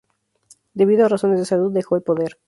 Debido a razones de salud, dejó el poder.